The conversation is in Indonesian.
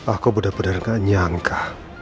aku benar benar tidak menyangka